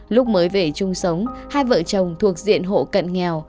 lúc mới về chung sống hai vợ chồng thuộc diện hộ cận nghèo